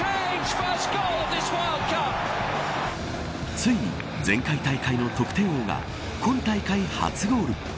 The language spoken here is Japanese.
ついに、前回大会の得点王が今大会初ゴール。